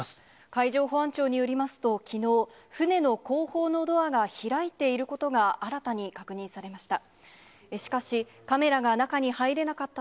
海上保安庁によりますと、きのう、船の後方のドアが開いていることが新たに確認されました。